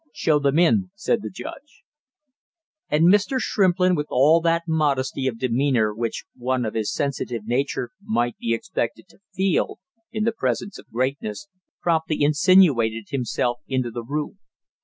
"Show them in!" said the judge. And Mr. Shrimplin with all that modesty of demeanor which one of his sensitive nature might be expected to feel in the presence of greatness, promptly insinuated himself into the room.